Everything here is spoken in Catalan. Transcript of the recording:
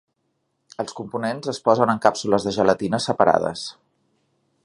Els components es posen en càpsules de gelatina separades.